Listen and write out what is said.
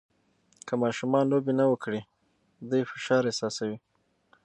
که ماشومان لوبې نه وکړي، دوی فشار احساسوي.